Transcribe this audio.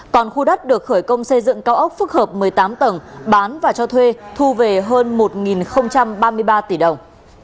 còn khu đất được khởi công xây dựng cao ốc phức hợp một mươi tám tầng bán và cho thuê thu về hơn một ba mươi ba tỷ đồng